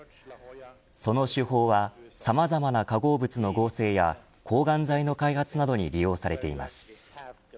その手法はさまざまな化合物の合成や抗がん剤の開発などに利用されています。